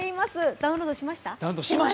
ダウンロードしました？